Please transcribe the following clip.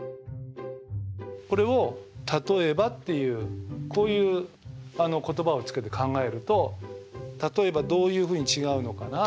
これを「例えば」っていうこういう言葉を付けて考えると例えばどういうふうに違うのかな。